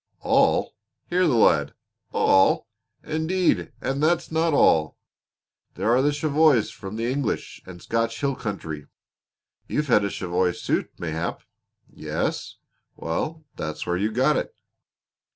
"All! Hear the lad! All! Indeed and that's not all! There are Cheviots from the English and Scotch hill country. You've had a cheviot suit, mayhap. Yes? Well, that's where you got it.